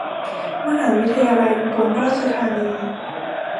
มหาวิทยาลัยอุบลราชธานี